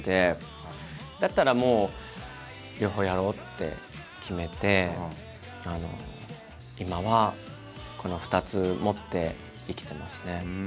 だったらもう両方やろうって決めて今はこの２つ持って生きてますね。